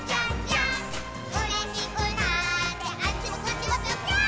「うれしくなってあっちもこっちもぴょぴょーん」